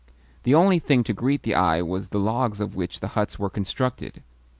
The only thing to greet the eye was the logs of which the huts were constructed.